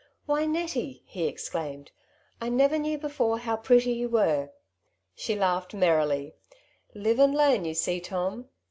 ^* Why, Nettie !^^ he exclaimed, ^' I never knew before how pretty you were.^' She laughed merrily, ^^ Live and learn, you see, Tom.'